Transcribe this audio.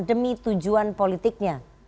demi tujuan politiknya